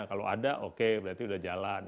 kalau ada oke berarti sudah jalan